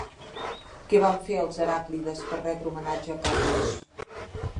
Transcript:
Què van fer els Heràclides per retre homenatge a Carnos?